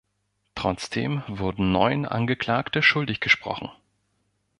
Trotzdem wurden neun Angeklagte schuldig gesprochen.